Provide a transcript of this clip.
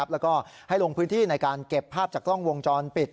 แล้วก็ให้ลงพื้นที่ในการเก็บภาพจากกล้องวงจรปิด